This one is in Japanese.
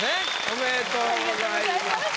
おめでとうございます。